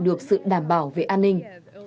được sự đảm bảo về an ninh